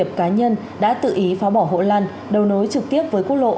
và nhiều doanh nghiệp cá nhân đã tự ý phá bỏ hộ lăn đầu nối trực tiếp với quốc lộ